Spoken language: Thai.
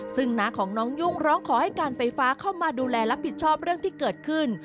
ซึ่งน้าของน้องยุ่งร้องขอให้การไฟฟ้าเข้ามาดูแลรับผิดชอบเรื่องที่เกิดขึ้น